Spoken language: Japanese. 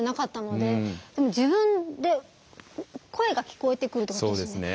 自分で声が聞こえてくるってことですね。